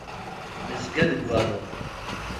Nezga deg waluḍ.